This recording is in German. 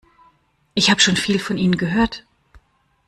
Ich habe schon viel von Ihnen gehört.